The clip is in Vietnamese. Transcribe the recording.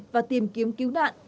và tìm kiếm cứu nạn